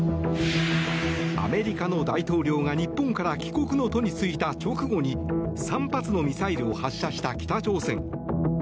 アメリカの大統領が日本から帰国の途に就いた直後に３発のミサイルを発射した北朝鮮。